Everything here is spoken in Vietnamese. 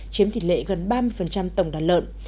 chiếm thị lệ gần ba mươi tổng đàn lợn